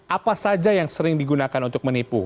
apa saja yang sering digunakan untuk menipu